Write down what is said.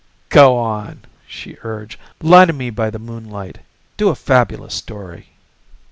"Go on," she urged. "Lie to me by the moonlight. Do a fabulous story."